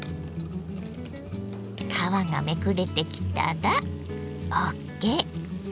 皮がめくれてきたらＯＫ！